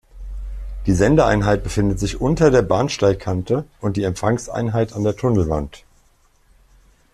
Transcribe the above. Die Sende-Einheit befindet sich unter der Bahnsteigkante und die Empfangs-Einheit an der Tunnelwand.